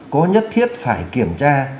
có nhất thiết phải kiểm tra